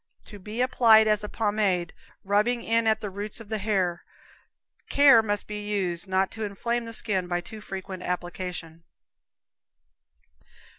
To be applied as a pomade, rubbing in at the roots of the hair. Care must be used not to inflame the skin by too frequent application.